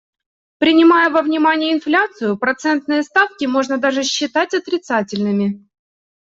Принимая во внимание инфляцию, процентные ставки можно даже считать отрицательными.